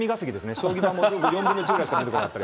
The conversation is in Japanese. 将棋盤が４分の１ぐらいしか出てこなかったり。